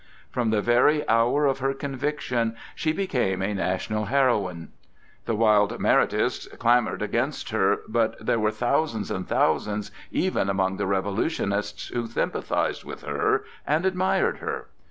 From the very hour of her conviction, she became a national heroine. The wild Maratists clamored against her, but there were thousands and thousands even among the Revolutionists who sympathized with her and admired her.